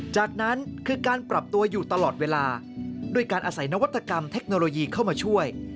จากนั้นคือการปรับตัวอยู่ตลอดเวลาด้วยการอาศัยนวัตกรรมเทคโนโลยีเข้ามาช่วย